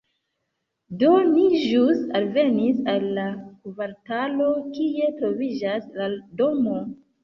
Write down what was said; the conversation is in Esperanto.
Do ni ĵus alvenis al la kvartalo, kie troviĝas la domo